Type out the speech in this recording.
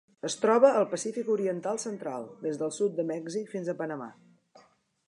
Es troba al Pacífic oriental central: des del sud de Mèxic fins a Panamà.